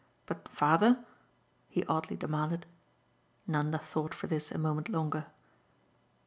But father?" he oddly demanded. Nanda thought for this a moment longer.